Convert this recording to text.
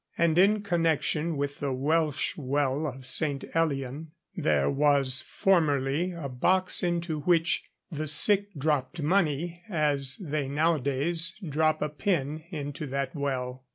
And in connection with the Welsh well of St. Elian there was formerly a box into which the sick dropped money as they nowadays drop a pin into that well.